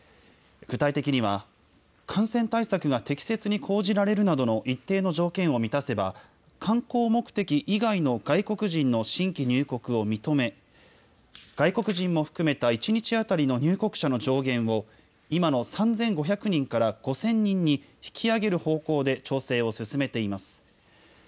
具体的には、感染対策が適切に講じられるなどの一定の条件を満たせば、観光目的以外の外国人の新規入国を認め、外国人も含めた一日当たりの入国者の上限を今の３５００人から５０００人に引き上げる方向で調整を進めています。